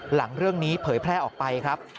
หลังเรื่องนี้เผยแพร่ออกไปครับ